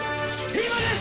今です！！